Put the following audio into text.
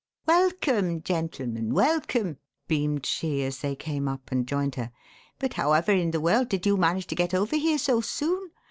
"Welcome, gentlemen, welcome," beamed she as they came up and joined her. "But however in the world did you manage to get over here so soon?